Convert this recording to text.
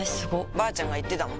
ばあちゃんが言ってたもん